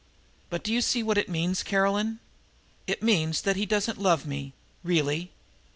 But do you see what it means, Caroline? It means that he doesn't love me really!"